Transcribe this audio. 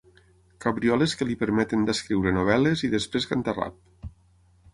Cabrioles que li permeten d’escriure novel·les i després cantar rap.